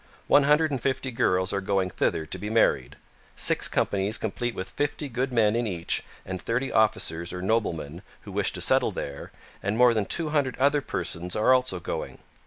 One hundred and fifty girls are going thither to be married; six companies complete with fifty good men in each and thirty officers or noblemen, who wish to settle there, and more than two hundred other persons are also going.